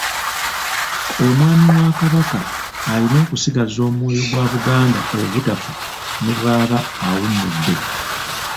Omwami wa Kabaka alina okusigaza omwoyo gwa Buganda ogutafa ne bw'aba awummudde.